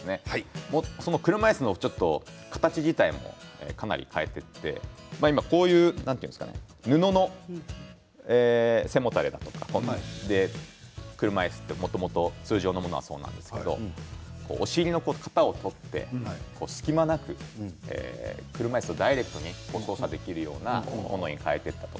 車いすの形自体もかなり変えているので今こういう布の背もたれだとか車いすってもともと通常のものはそうなんですけどお尻の型を取って隙間なく車いすをダイレクトに操作できるようなものに変えていったと。